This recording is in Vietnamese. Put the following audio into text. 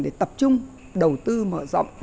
để tập trung đầu tư mở rộng